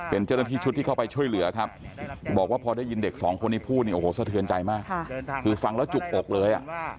เป็นเจ้าหน้าที่ชุดที่เข้าไปช่วยเหลือครับบอกว่าพอได้ยินเด็กสองคนนี้พูดเนี่ยโอ้โหสะเทือนใจมากคือฟังแล้วจุกอกเลย